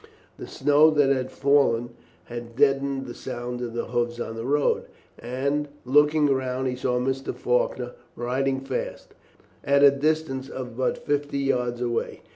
The snow that had fallen had deadened the sound of the hoofs on the road, and, looking round, he saw Mr. Faulkner riding fast, at a distance of but fifty yards away.